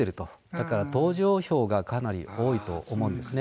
だから同情票がかなり多いと思うんですね。